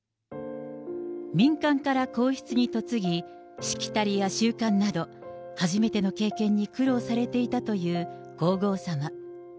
民間から皇室に嫁ぎ、しきたりや習慣など、初めての経験に苦労されていたという皇后さま。